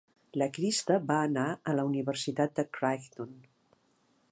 La Krista va anar a la Universitat de Creighton.